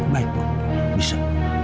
baik pak bisa